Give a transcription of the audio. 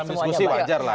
tapi dalam diskusi wajar lah